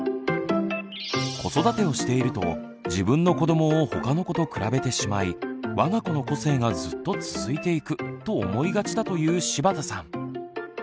子育てをしていると自分の子どもをほかの子と比べてしまい「わが子の個性がずっと続いていく」と思いがちだという柴田さん。